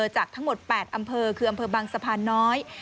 จากทั้งหมด๘อำเภอคืออำเภอบางสะพานน้อย